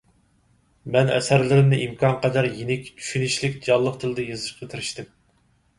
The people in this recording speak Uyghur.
مەن ئەسەرلىرىمنى ئىمكانقەدەر يېنىك، چۈشىنىشلىك، جانلىق تىلدا يېزىشقا تىرىشتىم.